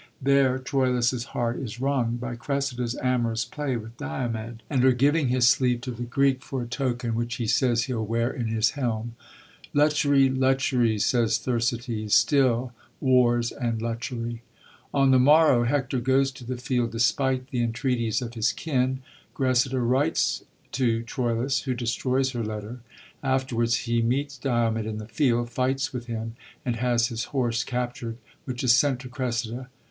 There Troilus*s heart is wrung by Oressida^s amorous play with Diomed, 121 TROILUS AND CRESSID A— OTHELLO and her giving his sleeve to the Greek for a token, which 1m says he '11 wear in his helm. ' Lechery, lechery,* says Thersites; 'still, wars sand lechery.* On the morrow Hector goes to the field, despite the entreaties of his kin. Gressida writes to Troilus, who destroys her letUsr, Afterwards he meets Diomed in the field, fights with him, and has his horse captured, which is sent to Gres sida.